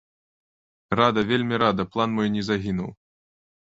Рада, вельмі рада, план мой не загінуў.